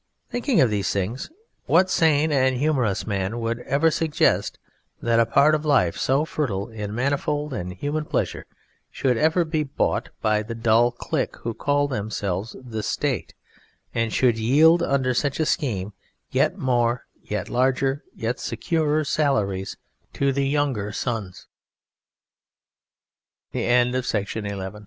Thinking of these things, what sane and humorous man would ever suggest that a part of life, so fertile in manifold and human pleasure, should ever be bought by the dull clique who call themselves "the State", and should yield under such a scheme yet more, yet larger, yet securer salar